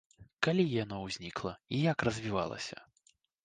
Калі яно ўзнікла і як развівалася?